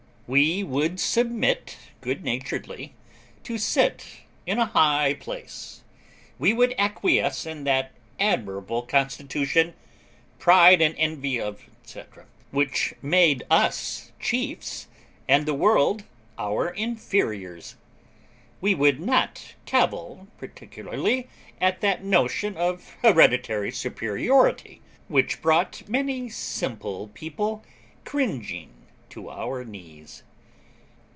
We would submit good naturedly to sit in a high place. We would acquiesce in that admirable Constitution (pride and envy of, &c.) which made us chiefs and the world our inferiors; we would not cavil particularly at that notion of hereditary superiority which brought many simple people cringing to our knees.